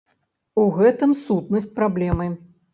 У гэтым сутнасць праблемы.